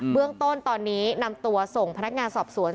เบื้องต้นตอนนี้นำตัวส่งพนักงานสอบสวน